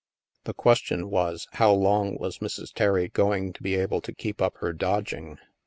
The question was, how long was Mrs. Terry going to be able to keep up her dodging?